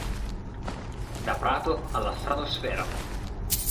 Da Prato alla Stratosfera.